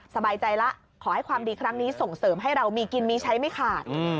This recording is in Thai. สบายใจแล้วขอให้ความดีครั้งนี้ส่งเสริมให้เรามีกินมีใช้ไม่ขาด